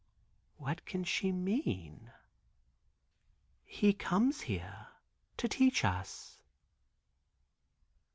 What can she mean? "He comes here to teach us."